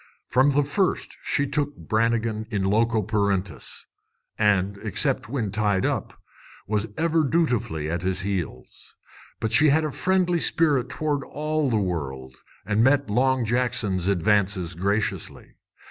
From the first she took Brannigan in loco parentis, and, except when tied up, was ever dutifully at his heels. But she had a friendly spirit toward all the world, and met Long Jackson's advances graciously.